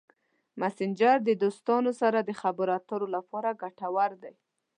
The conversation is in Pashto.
مسېنجر د دوستانو سره د خبرو اترو لپاره ګټور دی.